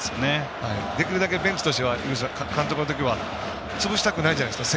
できるだけ、ベンチとしては潰したくないじゃないですか。